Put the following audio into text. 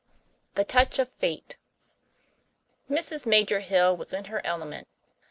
The Touch of Fate Mrs. Major Hill was in her element.